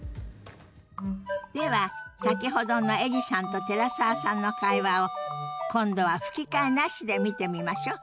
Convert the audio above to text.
では先ほどのエリさんと寺澤さんの会話を今度は吹き替えなしで見てみましょ。